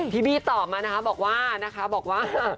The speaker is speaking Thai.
พี่บี้ตอบมานะคะบอกว่า